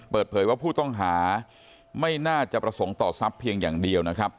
เปิดเผยว่าผู้ต้องหาไม่น่าจะประสงค์ต่อทรัพย์เพียงอย่างเดียวนะครับ